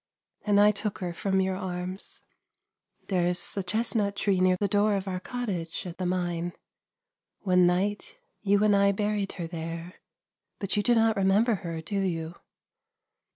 And I took her from your arms ... There is a chestnut iree near the door of our cottage at the mine. One night you and I buried her there ; but you do not remember her, do you?